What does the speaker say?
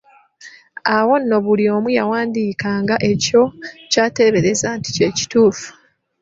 Awo nno buli omu yawandiikanga ekyo ky'ateebereza nti kye kituufu.